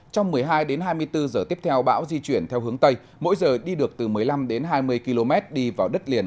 trong một mươi hai đến hai mươi bốn giờ tiếp theo bão di chuyển theo hướng tây mỗi giờ đi được từ một mươi năm đến hai mươi km đi vào đất liền